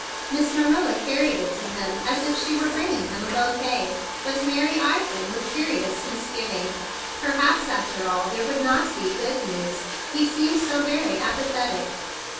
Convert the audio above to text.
Miss Marilla carried it to him gayly as if she were bringing him a bouquet, but Mary eyed him with a curious misgiving. Perhaps, after all, there would not be good news. He seemed so very apathetic.